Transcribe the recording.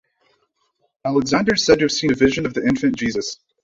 Alexander is said to have seen a vision of the infant Jesus.